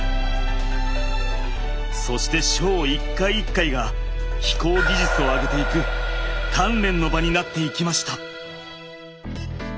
そしてショー１回１回が飛行技術を上げていく鍛錬の場になっていきました。